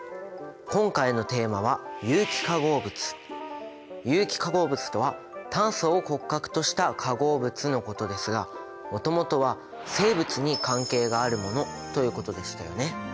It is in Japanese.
今回のテーマは有機化合物とは「炭素を骨格とした化合物」のことですがもともとは「生物に関係があるもの」ということでしたよね。